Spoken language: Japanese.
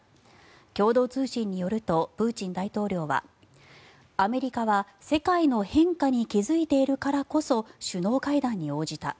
共同通信によるとプーチン大統領はアメリカは世界の変化に気付いているからこそ首脳会談に応じた。